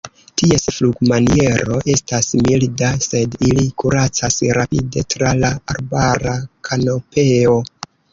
Ties flugmaniero estas milda, sed ili kuras rapide tra la arbara kanopeo.